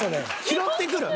拾ってくる？